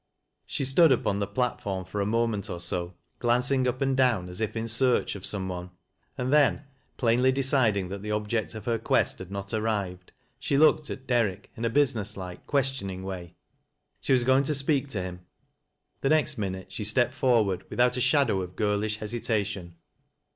She stood upon the platform for a moment or so, glancing up and down as if in searcli of some one, and then, plainly deciding that the object of her qaest had not arrived, she looked at Derrick in a busi aess like, qyestioning way. She was going to speak to dim. The next minute she stepped forward without a shadow of girlish hesitation.